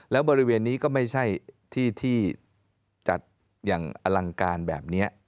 แล้วบริเวณนี้ก็ไม่ใช่ที่ที่จัดอย่างอลังการแบบนี้